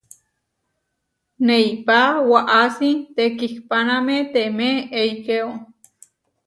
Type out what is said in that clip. Neipá waʼási tekihpáname temé eikéo.